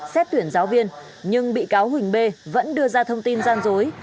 xét tuyển giáo viên nhưng bị cáo huỳnh b vẫn đưa ra thông tin gian dối